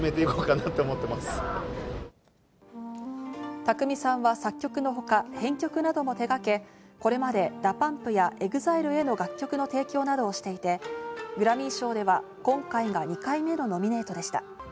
宅見さんは作曲の他、編曲なども手がけ、これまでＤＡＰＵＭＰやＥＸＩＬＥへの楽曲の提供などをしていて、グラミー賞では今回が２回目のノミネートでした。